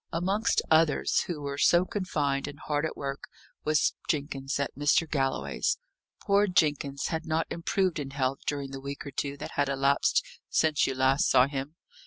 Amongst others, who were so confined and hard at work, was Jenkins at Mr. Galloway's. Poor Jenkins had not improved in health during the week or two that had elapsed since you last saw him.